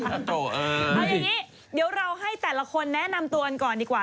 เอาอย่างนี้เดี๋ยวเราให้แต่ละคนแนะนำตัวกันก่อนดีกว่า